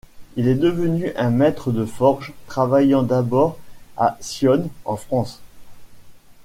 Il est devenu un maître de forges, travaillant d'abord à Sionne, en France.